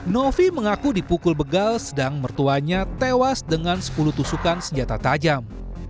novi mengaku dipukul begal sedang mertuanya tewas dengan sepuluh tusukan senjata tajam